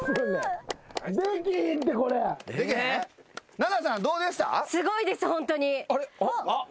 奈々さんどうでした？